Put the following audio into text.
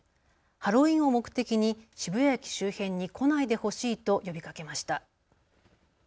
ハロウィーンを目的に渋谷駅周辺に来ないでほしいと呼びかけました。